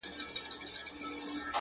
قرآن- انجیل- تلمود- گیتا به په قسم نیسې-